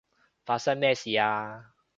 發生咩事啊？